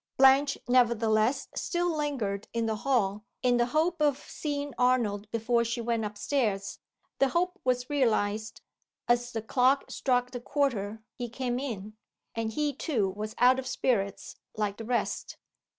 Blanche, nevertheless, still lingered in the hall in the hope of seeing Arnold before she went up stairs. The hope was realized. As the clock struck the quarter he came in. And he, too, was out of spirits like the rest!